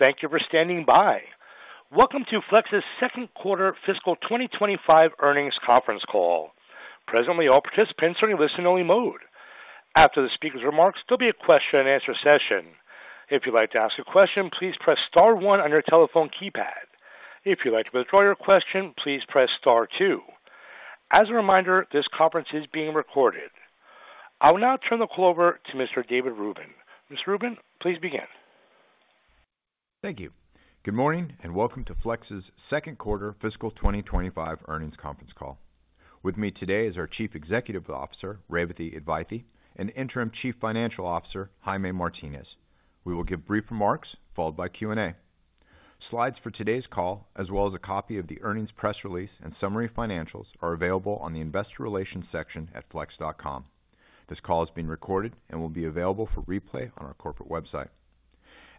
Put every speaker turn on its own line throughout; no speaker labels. Thank you for standing by. Welcome to Flex's second quarter fiscal 2025 earnings conference call. Presently, all participants are in listen-only mode. After the speaker's remarks, there'll be a question-and-answer session. If you'd like to ask a question, please press star one on your telephone keypad. If you'd like to withdraw your question, please press star two. As a reminder, this conference is being recorded. I will now turn the call over to Mr. David Rubin. Mr. Rubin, please begin.
Thank you. Good morning and welcome to Flex's second quarter fiscal 2025 earnings conference call. With me today is our Chief Executive Officer, Revathi Advaithi, and Interim Chief Financial Officer, Jaime Martinez. We will give brief remarks followed by Q&A. Slides for today's call, as well as a copy of the earnings press release and summary financials, are available on the investor relations section at flex.com. This call is being recorded and will be available for replay on our corporate website.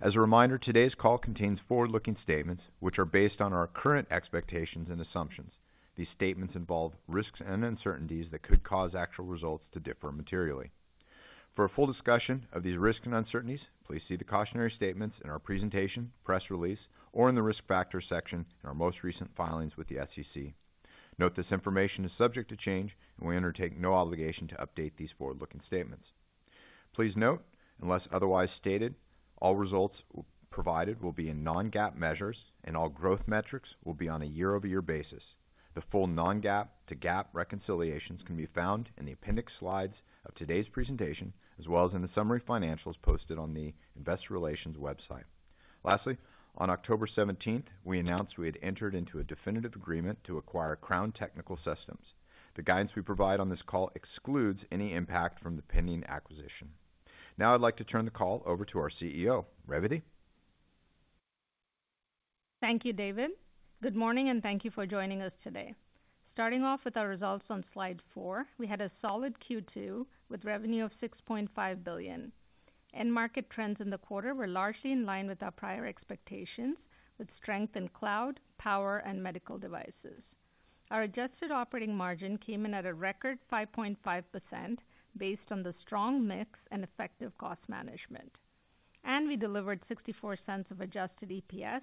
As a reminder, today's call contains forward-looking statements which are based on our current expectations and assumptions. These statements involve risks and uncertainties that could cause actual results to differ materially. For a full discussion of these risks and uncertainties, please see the cautionary statements in our presentation, press release, or in the risk factor section in our most recent filings with the SEC. Note this information is subject to change, and we undertake no obligation to update these forward-looking statements. Please note, unless otherwise stated, all results provided will be in non-GAAP measures, and all growth metrics will be on a year-over-year basis. The full non-GAAP to GAAP reconciliations can be found in the appendix slides of today's presentation, as well as in the summary financials posted on the investor relations website. Lastly, on October 17th, we announced we had entered into a definitive agreement to acquire Crown Technical Systems. The guidance we provide on this call excludes any impact from the pending acquisition. Now I'd like to turn the call over to our CEO, Revathi.
Thank you, David. Good morning and thank you for joining us today. Starting off with our results on slide four, we had a solid Q2 with revenue of $6.5 billion. End market trends in the quarter were largely in line with our prior expectations, with strength in cloud, power, and medical devices. Our adjusted operating margin came in at a record 5.5% based on the strong mix and effective cost management, and we delivered $0.64 of adjusted EPS,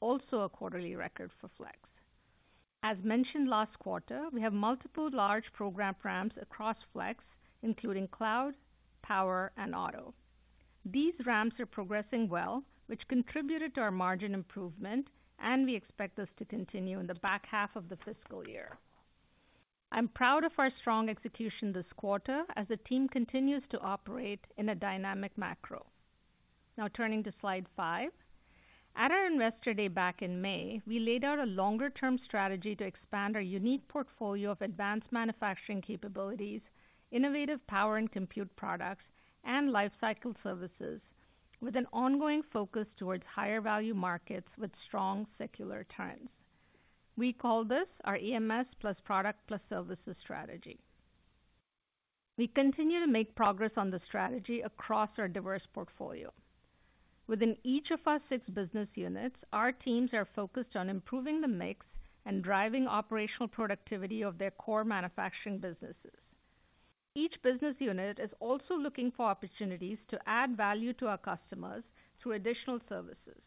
also a quarterly record for Flex. As mentioned last quarter, we have multiple large program ramps across Flex, including cloud, power, and auto. These ramps are progressing well, which contributed to our margin improvement, and we expect this to continue in the back half of the fiscal year. I'm proud of our strong execution this quarter as the team continues to operate in a dynamic macro. Now turning to slide five. At our investor day back in May, we laid out a longer-term strategy to expand our unique portfolio of advanced manufacturing capabilities, innovative power and compute products, and lifecycle services, with an ongoing focus toward higher value markets with strong secular trends. We call this our EMS plus product plus services strategy. We continue to make progress on the strategy across our diverse portfolio. Within each of our six business units, our teams are focused on improving the mix and driving operational productivity of their core manufacturing businesses. Each business unit is also looking for opportunities to add value to our customers through additional services.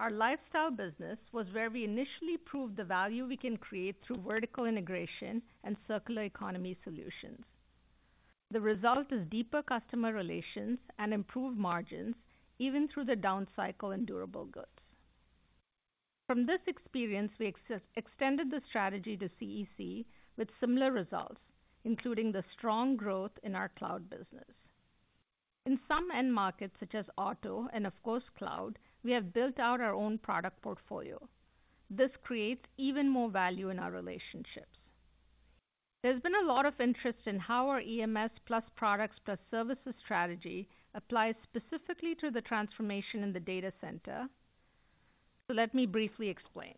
Our lifestyle business was where we initially proved the value we can create through vertical integration and circular economy solutions. The result is deeper customer relations and improved margins, even through the down cycle and durable goods. From this experience, we extended the strategy to CEC with similar results, including the strong growth in our cloud business. In some end markets, such as auto and, of course, cloud, we have built out our own product portfolio. This creates even more value in our relationships. There's been a lot of interest in how our EMS plus products plus services strategy applies specifically to the transformation in the data center. So let me briefly explain.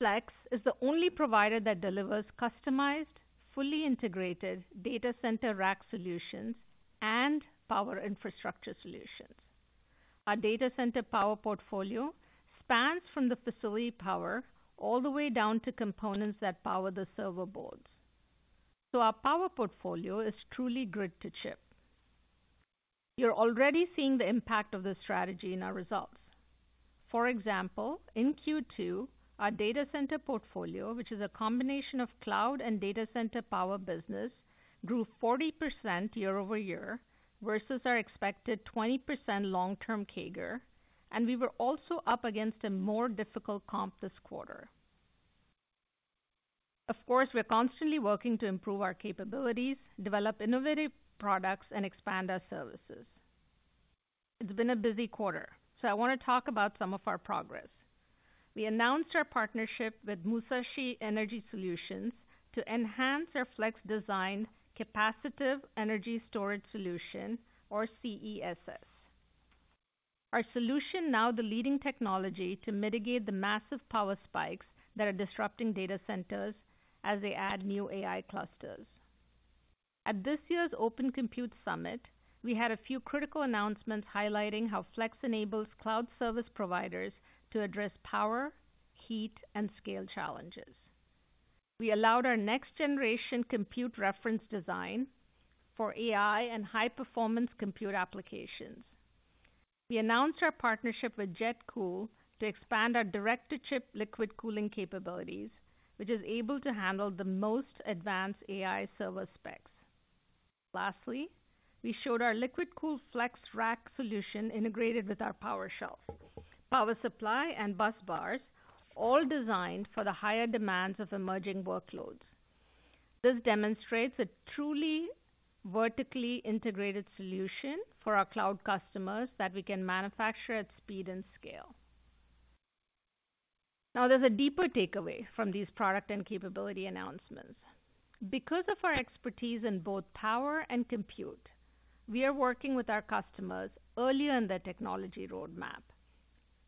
Flex is the only provider that delivers customized, fully integrated data center rack solutions and power infrastructure solutions. Our data center power portfolio spans from the facility power all the way down to components that power the server boards. So our power portfolio is truly grid to chip. You're already seeing the impact of the strategy in our results. For example, in Q2, our data center portfolio, which is a combination of cloud and data center power business, grew 40% year over year versus our expected 20% long-term CAGR. And we were also up against a more difficult comp this quarter. Of course, we're constantly working to improve our capabilities, develop innovative products, and expand our services. It's been a busy quarter, so I want to talk about some of our progress. We announced our partnership with Musashi Energy Solutions to enhance our Flex designed capacitive energy storage solution, or CESS. Our solution now is the leading technology to mitigate the massive power spikes that are disrupting data centers as they add new AI clusters. At this year's Open Compute Summit, we had a few critical announcements highlighting how Flex enables cloud service providers to address power, heat, and scale challenges. We launched our next-generation compute reference design for AI and high-performance compute applications. We announced our partnership with JetCool to expand our direct-to-chip liquid cooling capabilities, which is able to handle the most advanced AI server specs. Lastly, we showed our liquid-cooled Flex rack solution integrated with our power shelf, power supply, and bus bars, all designed for the higher demands of emerging workloads. This demonstrates a truly vertically integrated solution for our cloud customers that we can manufacture at speed and scale. Now, there's a deeper takeaway from these product and capability announcements. Because of our expertise in both power and compute, we are working with our customers earlier in the technology roadmap.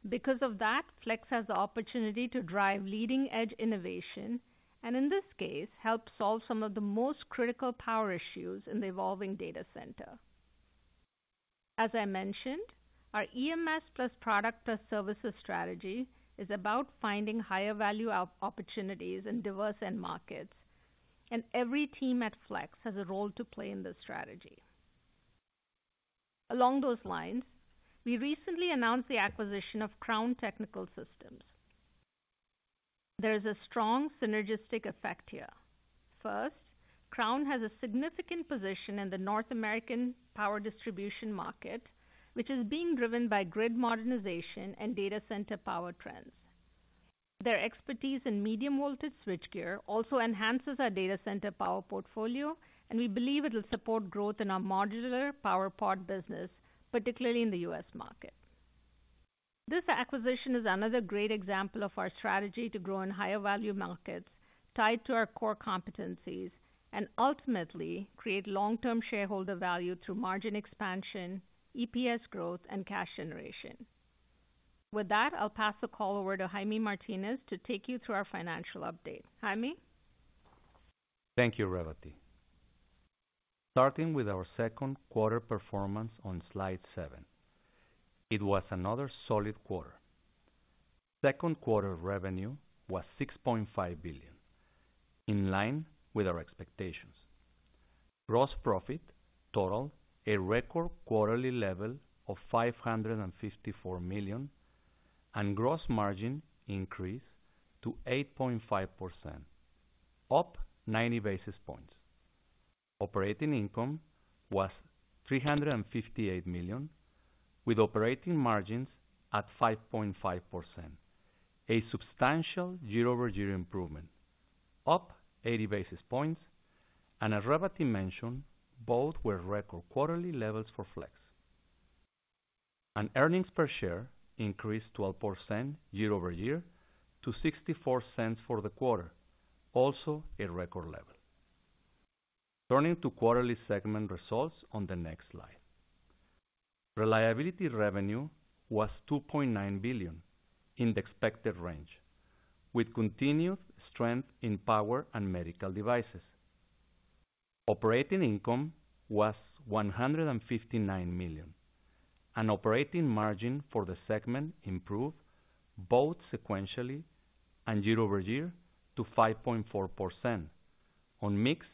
Because of that, Flex has the opportunity to drive leading-edge innovation and, in this case, help solve some of the most critical power issues in the evolving data center. As I mentioned, our EMS plus product plus services strategy is about finding higher value opportunities in diverse end markets, and every team at Flex has a role to play in this strategy. Along those lines, we recently announced the acquisition of Crown Technical Systems. There is a strong synergistic effect here. First, Crown has a significant position in the North American power distribution market, which is being driven by grid modernization and data center power trends. Their expertise in medium-voltage switchgear also enhances our data center power portfolio, and we believe it will support growth in our modular power pod business, particularly in the US market. This acquisition is another great example of our strategy to grow in higher value markets tied to our core competencies and ultimately create long-term shareholder value through margin expansion, EPS growth, and cash generation. With that, I'll pass the call over to Jaime Martinez to take you through our financial update. Jaime?
Thank you, Revathi. Starting with our second quarter performance on slide seven, it was another solid quarter. Second quarter revenue was $6.5 billion, in line with our expectations. Gross profit totaled a record quarterly level of $554 million, and gross margin increased to 8.5%, up 90 basis points. Operating income was $358 million, with operating margins at 5.5%, a substantial year-over-year improvement, up 80 basis points, and as Revathi mentioned, both were record quarterly levels for Flex, and earnings per share increased 12% year-over-year to $0.64 for the quarter, also a record level. Turning to quarterly segment results on the next slide. Reliability revenue was $2.9 billion in the expected range, with continued strength in power and medical devices. Operating income was $159 million, and operating margin for the segment improved both sequentially and year-over-year to 5.4% on mix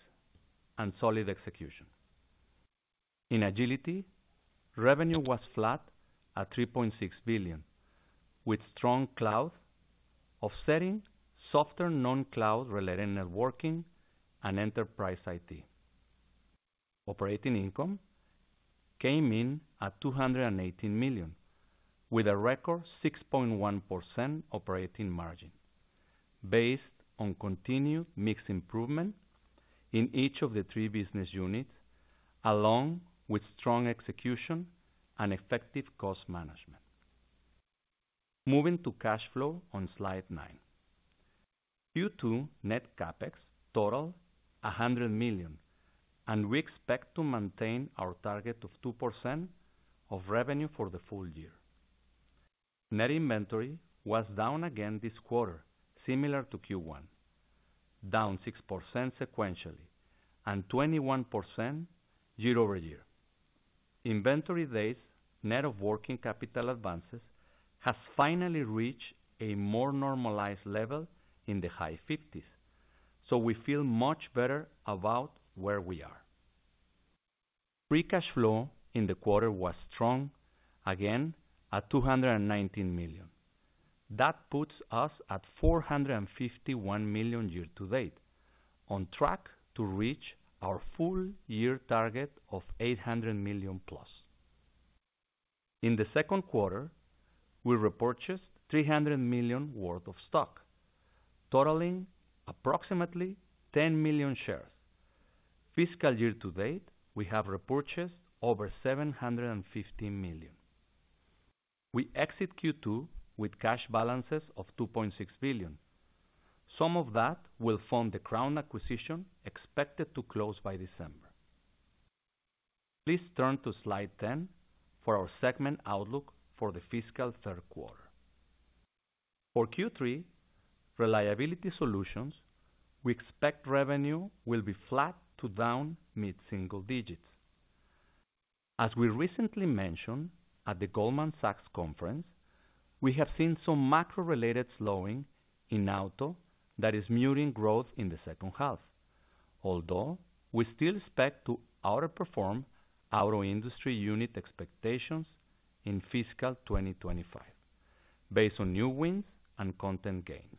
and solid execution. In Agility, revenue was flat at $3.6 billion, with strong cloud offsetting softer non-cloud-related networking and enterprise IT. Operating income came in at $218 million, with a record 6.1% operating margin, based on continued mix improvement in each of the three business units, along with strong execution and effective cost management. Moving to cash flow on slide nine. Q2 net CapEx totaled $100 million, and we expect to maintain our target of 2% of revenue for the full year. Net inventory was down again this quarter, similar to Q1, down 6% sequentially and 21% year-over-year. Inventory-based net of working capital advances has finally reached a more normalized level in the high 50s, so we feel much better about where we are. Free cash flow in the quarter was strong, again at $219 million. That puts us at $451 million year to date, on track to reach our full year target of $800 million plus. In the second quarter, we repurchased $300 million worth of stock, totaling approximately 10 million shares. Fiscal year to date, we have repurchased over $715 million. We exit Q2 with cash balances of $2.6 billion. Some of that will fund the Crown acquisition expected to close by December. Please turn to slide 10 for our segment outlook for the fiscal third quarter. For Q3, Reliability Solutions, we expect revenue will be flat to down mid-single digits. As we recently mentioned at the Goldman Sachs conference, we have seen some macro-related slowing in auto that is muting growth in the second half, although we still expect to outperform auto industry unit expectations in fiscal 2025, based on new wins and content gains.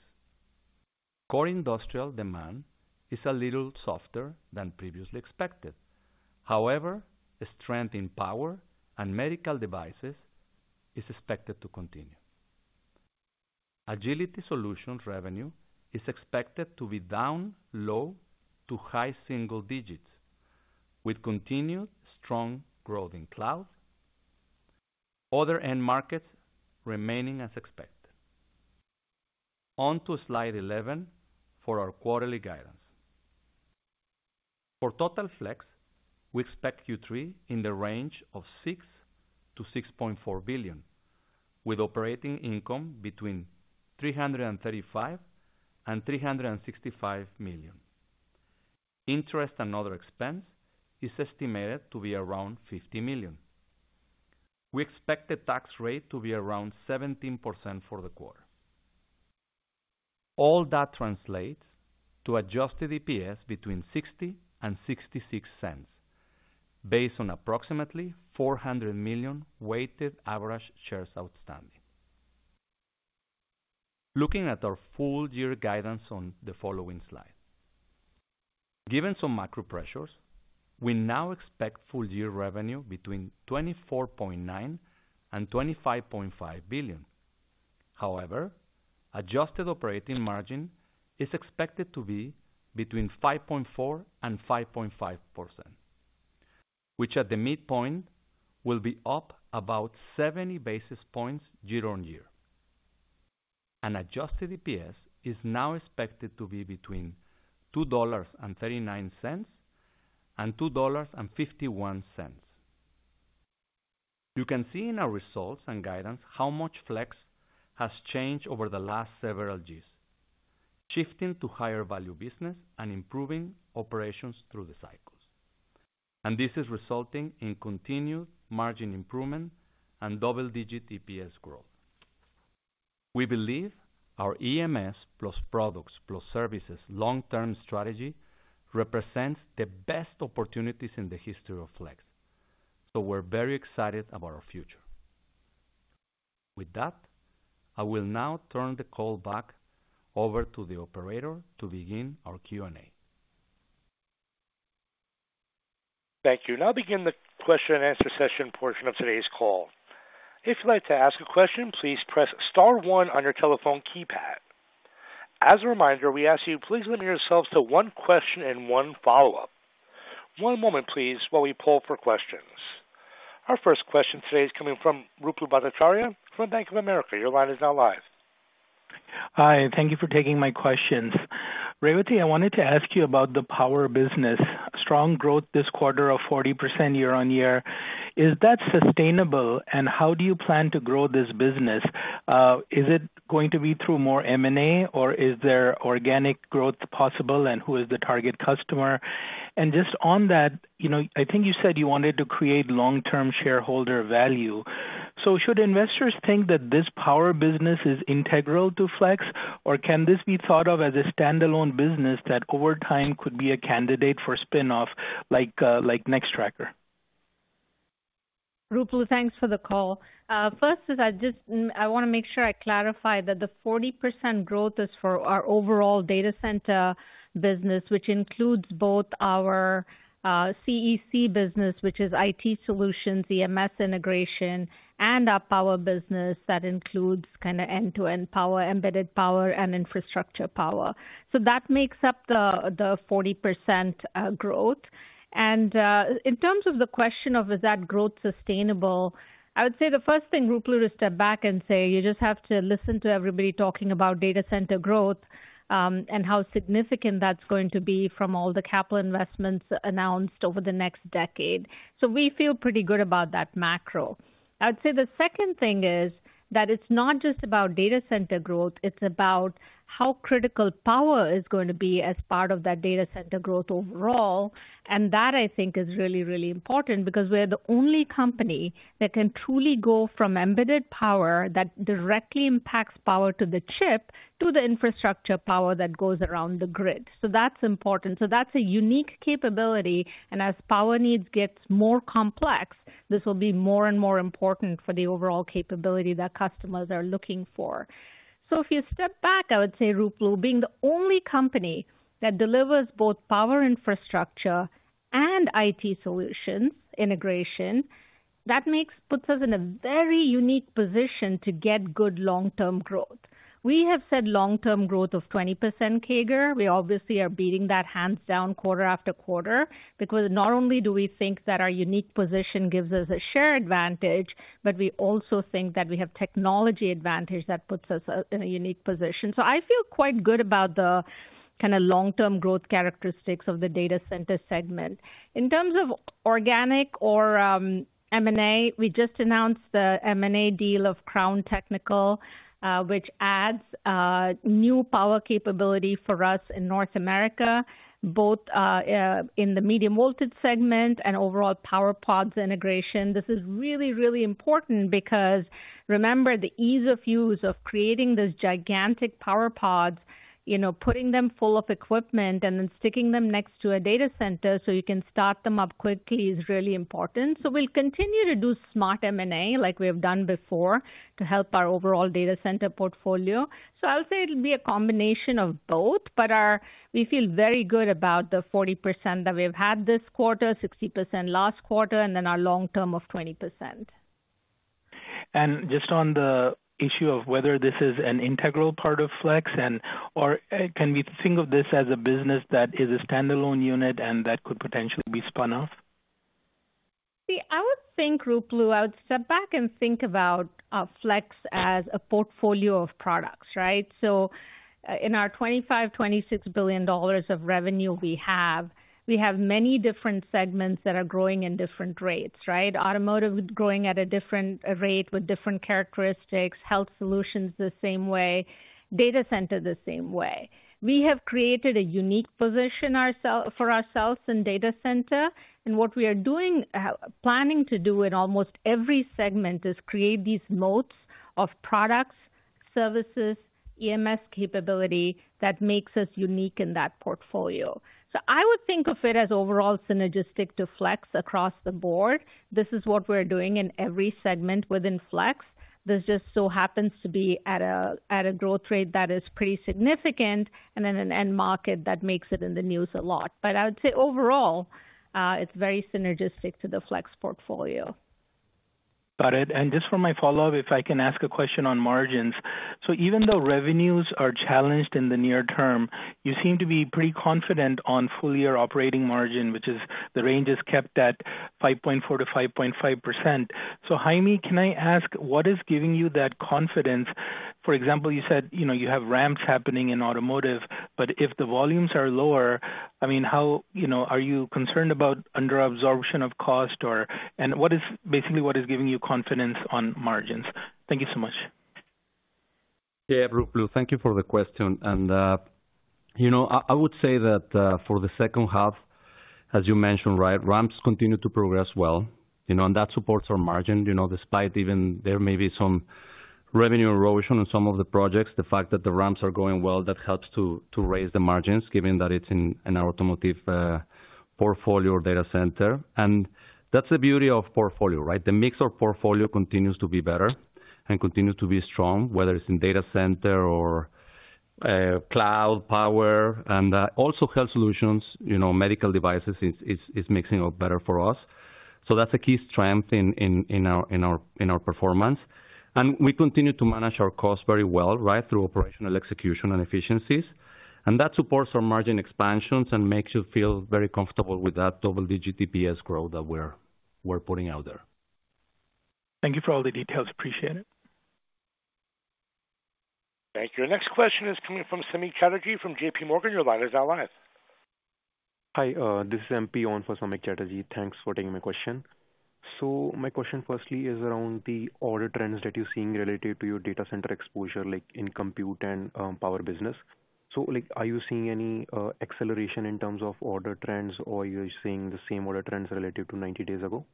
Core industrial demand is a little softer than previously expected. However, strength in power and medical devices is expected to continue. Agility Solutions revenue is expected to be down low to high single digits, with continued strong growth in cloud, other end markets remaining as expected. On to slide 11 for our quarterly guidance. For total Flex, we expect Q3 in the range of $6 billion-$6.4 billion, with operating income between $335 million-$365 million. Interest and other expense is estimated to be around $50 million. We expect the tax rate to be around 17% for the quarter. All that translates to adjusted EPS between $0.60-$0.66, based on approximately 400 million weighted average shares outstanding. Looking at our full year guidance on the following slide. Given some macro pressures, we now expect full year revenue between $24.9 billion-$25.5 billion. However, adjusted operating margin is expected to be between 5.4 and 5.5%, which at the midpoint will be up about 70 basis points year-on-year, and adjusted EPS is now expected to be between $2.39 and $2.51. You can see in our results and guidance how much Flex has changed over the last several years, shifting to higher value business and improving operations through the cycles, and this is resulting in continued margin improvement and double-digit EPS growth. We believe our EMS plus products plus services long-term strategy represents the best opportunities in the history of Flex, so we're very excited about our future. With that, I will now turn the call back over to the operator to begin our Q&A.
Thank you. Now begin the question and answer session portion of today's call. If you'd like to ask a question, please press star one on your telephone keypad. As a reminder, we ask you, please limit yourselves to one question and one follow-up. One moment, please, while we poll for questions. Our first question today is coming from Ruplu Bhattacharya from Bank of America. Your line is now live.
Hi. Thank you for taking my questions. Revathi, I wanted to ask you about the power business. Strong growth this quarter of 40% year-on-year. Is that sustainable, and how do you plan to grow this business? Is it going to be through more M&A, or is there organic growth possible, and who is the target customer? And just on that, I think you said you wanted to create long-term shareholder value. So should investors think that this power business is integral to Flex, or can this be thought of as a standalone business that over time could be a candidate for spinoff like Nextracker?
Rupert, thanks for the call. First, I want to make sure I clarify that the 40% growth is for our overall data center business, which includes both our CEC business, which is IT solutions, EMS integration, and our power business that includes kind of end-to-end power, embedded power, and infrastructure power, so that makes up the 40% growth, and in terms of the question of, is that growth sustainable, I would say the first thing, Rupert, is to step back and say you just have to listen to everybody talking about data center growth and how significant that's going to be from all the capital investments announced over the next decade. So we feel pretty good about that macro. I would say the second thing is that it's not just about data center growth. It's about how critical power is going to be as part of that data center growth overall. And that, I think, is really, really important because we're the only company that can truly go from embedded power that directly impacts power to the chip to the infrastructure power that goes around the grid. So that's important. So that's a unique capability. And as power needs get more complex, this will be more and more important for the overall capability that customers are looking for. So if you step back, I would say, Rupert, being the only company that delivers both power infrastructure and IT solutions integration, that puts us in a very unique position to get good long-term growth. We have said long-term growth of 20%, CAGR. We obviously are beating that hands down quarter after quarter because not only do we think that our unique position gives us a share advantage, but we also think that we have technology advantage that puts us in a unique position. So I feel quite good about the kind of long-term growth characteristics of the data center segment. In terms of organic or M&A, we just announced the M&A deal of Crown Technical, which adds new power capability for us in North America, both in the medium-voltage segment and overall power pods integration. This is really, really important because, remember, the ease of use of creating these gigantic power pods, putting them full of equipment, and then sticking them next to a data center so you can start them up quickly is really important. So we'll continue to do smart M&A like we have done before to help our overall data center portfolio. So I'll say it'll be a combination of both, but we feel very good about the 40% that we've had this quarter, 60% last quarter, and then our long-term of 20%.
Just on the issue of whether this is an integral part of Flex, and can we think of this as a business that is a standalone unit and that could potentially be spun off?
See, I would think, Ruplu, I would step back and think about Flex as a portfolio of products. So in our $25-$26 billion of revenue we have many different segments that are growing in different rates. Automotive is growing at a different rate with different characteristics. Health solutions the same way. Data center the same way. We have created a unique position for ourselves in data center. And what we are planning to do in almost every segment is create these moats of products, services, EMS capability that makes us unique in that portfolio. So I would think of it as overall synergistic to Flex across the board. This is what we're doing in every segment within Flex. This just so happens to be at a growth rate that is pretty significant and in an end market that makes it in the news a lot. But I would say overall, it's very synergistic to the Flex portfolio.
Got it. And just for my follow-up, if I can ask a question on margins. So even though revenues are challenged in the near term, you seem to be pretty confident on full year operating margin, which is the range, is kept at 5.4%-5.5%. So Jaime, can I ask what is giving you that confidence? For example, you said you have ramps happening in automotive, but if the volumes are lower, I mean, are you concerned about underabsorption of cost? And basically, what is giving you confidence on margins? Thank you so much.
Yeah, Ruplu, thank you for the question. And I would say that for the second half, as you mentioned, ramps continue to progress well. And that supports our margin. Despite even there may be some revenue erosion on some of the projects, the fact that the ramps are going well, that helps to raise the margins, given that it's in our automotive portfolio or data center. And that's the beauty of portfolio. The mix of portfolio continues to be better and continues to be strong, whether it's in data center or cloud, power. And also health solutions, medical devices is mixing up better for us. So that's a key strength in our performance. And we continue to manage our costs very well through operational execution and efficiencies. And that supports our margin expansions and makes you feel very comfortable with that double-digit EPS growth that we're putting out there.
Thank you for all the details. Appreciate it.
Thank you. Our next question is coming from Samik Chatterjee from JP Morgan. Your line is now live.
Hi. This is MP on for Samik Chatterjee. Thanks for taking my question. So my question firstly is around the order trends that you're seeing related to your data center exposure, like in compute and power business. So are you seeing any acceleration in terms of order trends, or are you seeing the same order trends related to 90 days ago?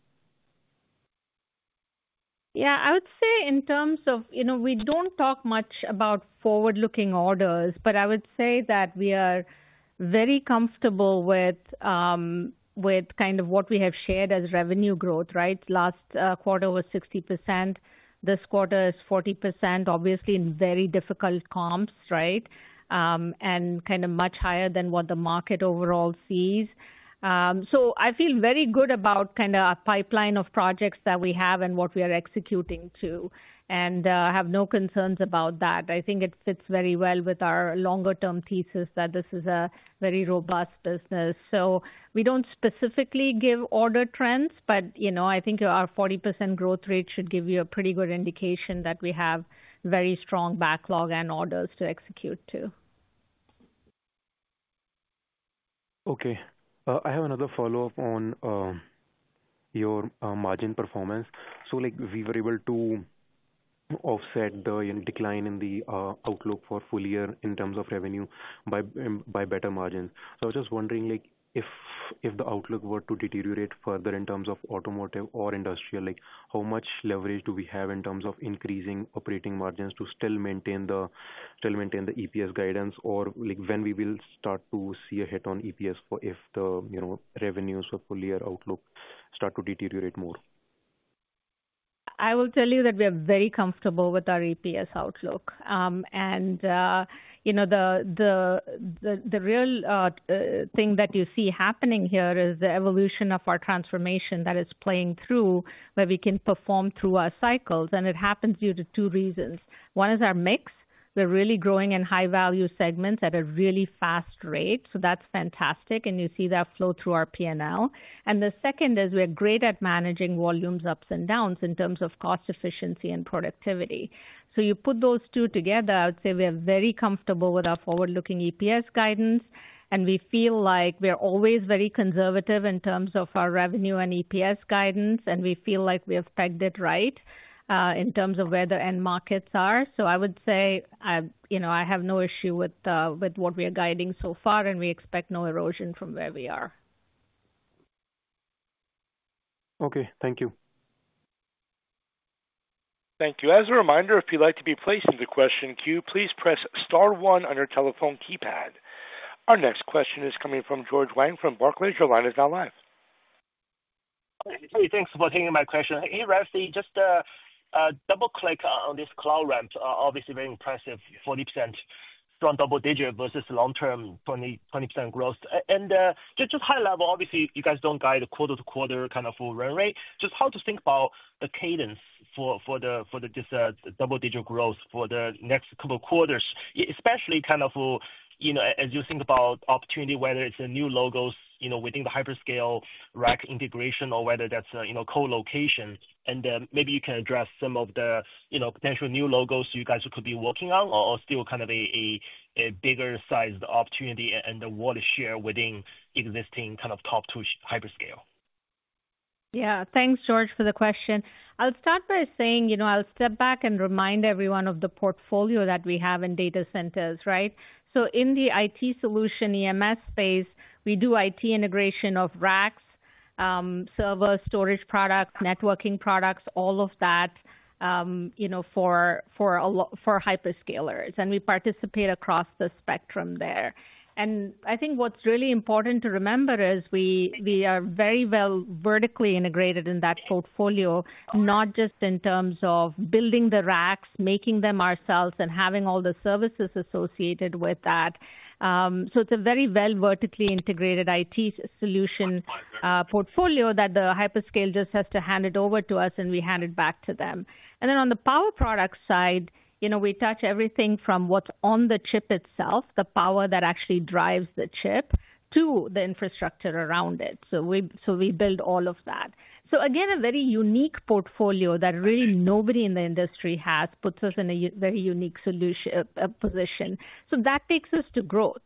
Yeah, I would say in terms of we don't talk much about forward-looking orders, but I would say that we are very comfortable with kind of what we have shared as revenue growth. Last quarter was 60%. This quarter is 40%, obviously in very difficult comps and kind of much higher than what the market overall sees. So I feel very good about kind of our pipeline of projects that we have and what we are executing too, and I have no concerns about that. I think it fits very well with our longer-term thesis that this is a very robust business, so we don't specifically give order trends, but I think our 40% growth rate should give you a pretty good indication that we have very strong backlog and orders to execute too.
Okay. I have another follow-up on your margin performance. So we were able to offset the decline in the outlook for full year in terms of revenue by better margins. So I was just wondering if the outlook were to deteriorate further in terms of automotive or industrial, how much leverage do we have in terms of increasing operating margins to still maintain the EPS guidance, or when we will start to see a hit on EPS if the revenues for full year outlook start to deteriorate more?
I will tell you that we are very comfortable with our EPS outlook. And the real thing that you see happening here is the evolution of our transformation that is playing through where we can perform through our cycles. And it happens due to two reasons. One is our mix. We're really growing in high-value segments at a really fast rate. So that's fantastic. And you see that flow through our P&L. And the second is we are great at managing volumes, ups and downs in terms of cost efficiency and productivity. So you put those two together, I would say we are very comfortable with our forward-looking EPS guidance. And we feel like we are always very conservative in terms of our revenue and EPS guidance. And we feel like we have pegged it right in terms of where the end markets are. So I would say I have no issue with what we are guiding so far, and we expect no erosion from where we are.
Okay. Thank you.
Thank you. As a reminder, if you'd like to be placed in the question queue, please press star one on your telephone keypad. Our next question is coming from George Wang from Barclays. Your line is now live.
Hey, thanks for taking my question. Hey, Revathi, just double-click on this cloud ramp. Obviously, very impressive. 40% strong double-digit versus long-term 20% growth. And just high level, obviously, you guys don't guide quarter to quarter kind of full run rate. Just how to think about the cadence for this double-digit growth for the next couple of quarters, especially kind of as you think about opportunity, whether it's a new logos within the hyperscale rack integration or whether that's co-location. And maybe you can address some of the potential new logos you guys could be working on or still kind of a bigger size opportunity and the wallet share within existing kind of top two hyperscale.
Yeah. Thanks, George, for the question. I'll start by saying I'll step back and remind everyone of the portfolio that we have in data centers. So in the IT solution EMS space, we do IT integration of racks, server storage products, networking products, all of that for hyperscalers. And we participate across the spectrum there. And I think what's really important to remember is we are very well vertically integrated in that portfolio, not just in terms of building the racks, making them ourselves, and having all the services associated with that. So it's a very well vertically integrated IT solution portfolio that the hyperscale just has to hand it over to us, and we hand it back to them. And then on the power product side, we touch everything from what's on the chip itself, the power that actually drives the chip, to the infrastructure around it. So we build all of that. So again, a very unique portfolio that really nobody in the industry has puts us in a very unique position. So that takes us to growth.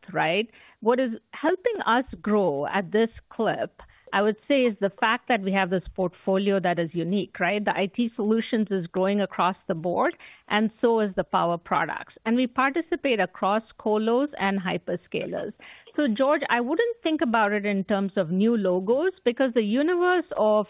What is helping us grow at this clip, I would say, is the fact that we have this portfolio that is unique. The IT solutions is growing across the board, and so is the power products. And we participate across colos and hyperscalers. So George, I wouldn't think about it in terms of new logos because the universe of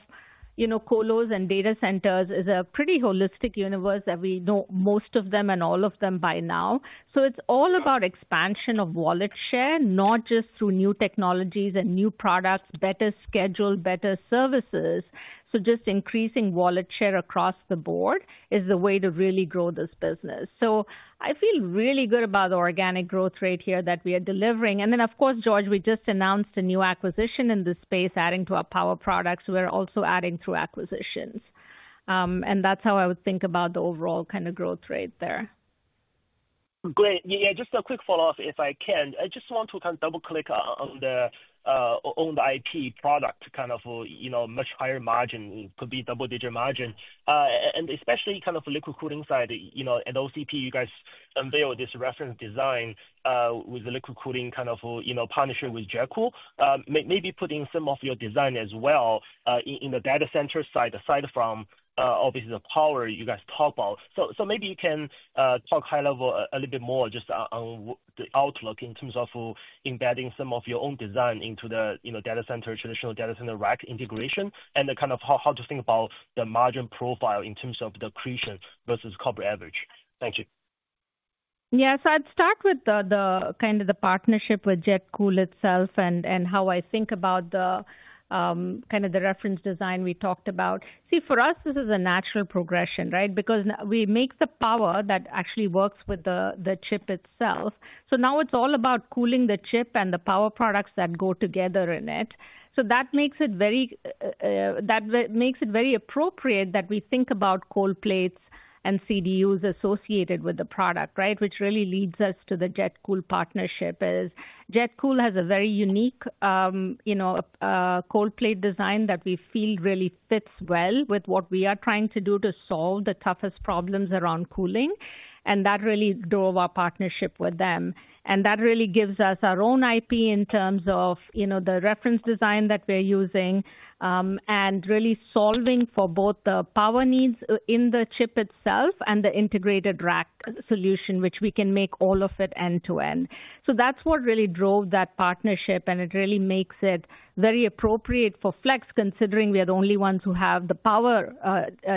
colos and data centers is a pretty holistic universe that we know most of them and all of them by now. So it's all about expansion of wallet share, not just through new technologies and new products, better schedule, better services. So just increasing wallet share across the board is the way to really grow this business. So I feel really good about the organic growth rate here that we are delivering. And then, of course, George, we just announced a new acquisition in this space, adding to our power products. We're also adding through acquisitions. And that's how I would think about the overall kind of growth rate there.
Great. Yeah, just a quick follow-up if I can. I just want to kind of double-click on the IP product kind of much higher margin, could be double-digit margin. And especially kind of liquid cooling side, at OCP, you guys unveiled this reference design with the liquid cooling kind of partnership with JetCool. Maybe putting some of your design as well in the data center side aside from, obviously, the power you guys talk about. So maybe you can talk high level a little bit more just on the outlook in terms of embedding some of your own design into the data center, traditional data center rack integration, and kind of how to think about the margin profile in terms of the incremental versus corporate average. Thank you.
Yeah. So I'd start with kind of the partnership with JetCool itself and how I think about kind of the reference design we talked about. See, for us, this is a natural progression because we make the power that actually works with the chip itself. So now it's all about cooling the chip and the power products that go together in it. So that makes it very appropriate that we think about cold plates and CDUs associated with the product, which really leads us to the JetCool partnership. JetCool has a very unique cold plate design that we feel really fits well with what we are trying to do to solve the toughest problems around cooling. And that really drove our partnership with them. That really gives us our own IP in terms of the reference design that we're using and really solving for both the power needs in the chip itself and the integrated rack solution, which we can make all of it end to end. That's what really drove that partnership. It really makes it very appropriate for Flex, considering we are the only ones who have the power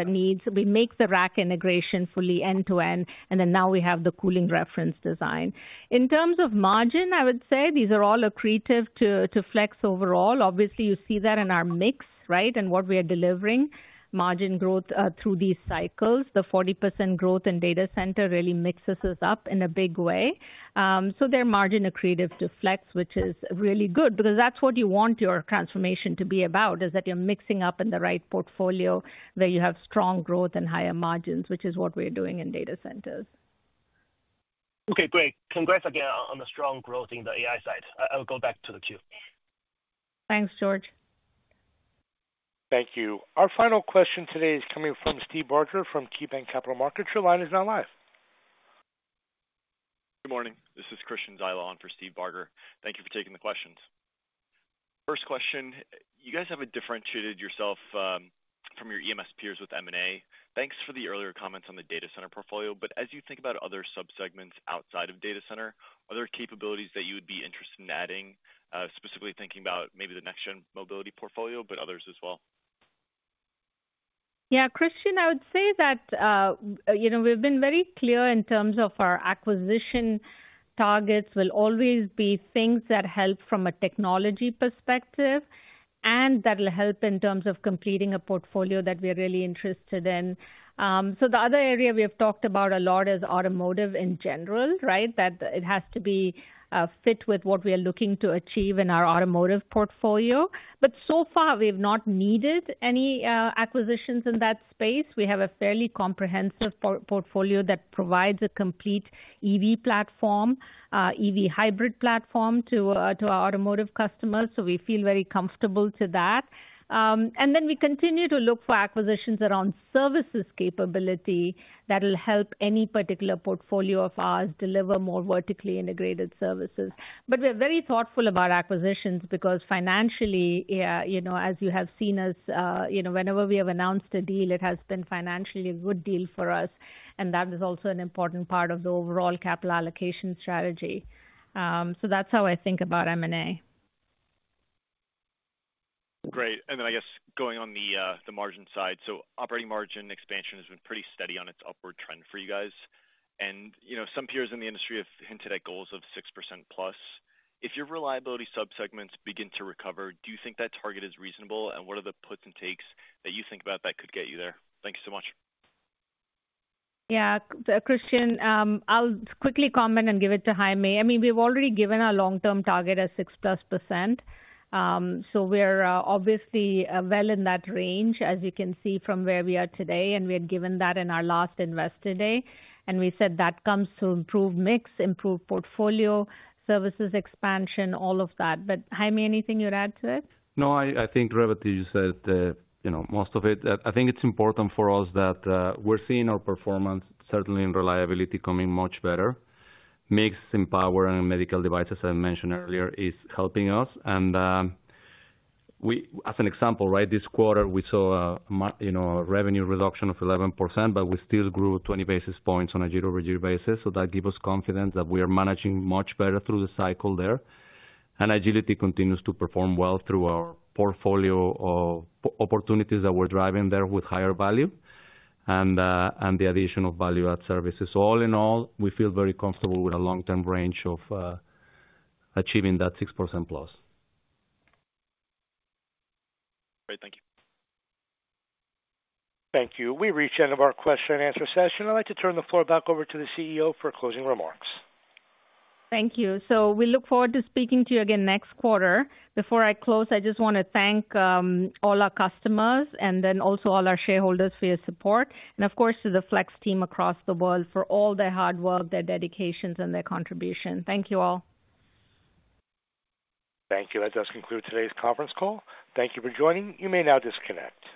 needs. We make the rack integration fully end to end. Now we have the cooling reference design. In terms of margin, I would say these are all accretive to Flex overall. Obviously, you see that in our mix and what we are delivering, margin growth through these cycles. The 40% growth in data center really mixes us up in a big way. So they're margin accretive to Flex, which is really good because that's what you want your transformation to be about, is that you're mixing up in the right portfolio where you have strong growth and higher margins, which is what we're doing in data centers.
Okay. Great. Congrats again on the strong growth in the AI side. I'll go back to the queue.
Thanks, George.
Thank you. Our final question today is coming from Steve Barger from KeyBanc Capital Markets. Your line is now live.
Good morning. This is Christian DeValon for Steve Barger. Thank you for taking the questions. First question, you guys have differentiated yourself from your EMS peers with M&A. Thanks for the earlier comments on the data center portfolio. But as you think about other subsegments outside of data center, are there capabilities that you would be interested in adding, specifically thinking about maybe the next-gen mobility portfolio, but others as well?
Yeah, Christian, I would say that we've been very clear in terms of our acquisition targets will always be things that help from a technology perspective and that will help in terms of completing a portfolio that we are really interested in. So the other area we have talked about a lot is automotive in general, that it has to be fit with what we are looking to achieve in our automotive portfolio. But so far, we have not needed any acquisitions in that space. We have a fairly comprehensive portfolio that provides a complete EV platform, EV hybrid platform to our automotive customers. So we feel very comfortable to that. And then we continue to look for acquisitions around services capability that will help any particular portfolio of ours deliver more vertically integrated services. But we are very thoughtful about acquisitions because financially, as you have seen us, whenever we have announced a deal, it has been financially a good deal for us. And that is also an important part of the overall capital allocation strategy. So that's how I think about M&A.
Great. And then I guess going on the margin side, so operating margin expansion has been pretty steady on its upward trend for you guys. And some peers in the industry have hinted at goals of 6% plus. If your reliability subsegments begin to recover, do you think that target is reasonable? And what are the puts and takes that you think about that could get you there? Thank you so much.
Yeah, Christian, I'll quickly comment and give it to Jaime. I mean, we've already given our long-term target as 6% plus. So we're obviously well in that range, as you can see from where we are today. And we had given that in our last investor day. And we said that comes through improved mix, improved portfolio, services expansion, all of that. But Jaime, anything you'd add to it?
No, I think, Revathi, you said most of it. I think it's important for us that we're seeing our performance, certainly in reliability, coming much better. Mix in power and medical devices, as I mentioned earlier, is helping us. And as an example, this quarter, we saw a revenue reduction of 11%, but we still grew 20 basis points on a year-over-year basis. So that gives us confidence that we are managing much better through the cycle there. And agility continues to perform well through our portfolio of opportunities that we're driving there with higher value and the addition of value-add services. So all in all, we feel very comfortable with a long-term range of achieving that 6% plus.
Great. Thank you.
Thank you. We reached the end of our question and answer session. I'd like to turn the floor back over to the CEO for closing remarks.
Thank you. So we look forward to speaking to you again next quarter. Before I close, I just want to thank all our customers and then also all our shareholders for your support. And of course, to the Flex team across the world for all their hard work, their dedications, and their contributions. Thank you all.
Thank you. That does conclude today's conference call. Thank you for joining. You may now disconnect.